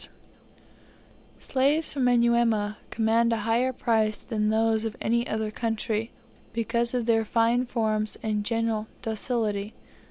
Slaves from Manyuema command a higher price than those of any other country, because of their fine forms and general docility.